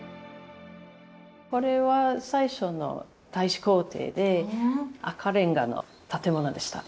これは最初の大使公邸で赤レンガの建物でした。